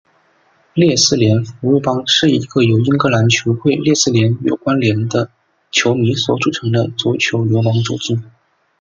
列斯联服务帮是一个由英格兰球会列斯联有关连的球迷所组成的足球流氓组织。